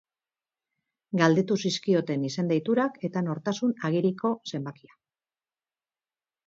Galdetu zizkioten izen-deiturak eta nortasun agiriko zenbakia.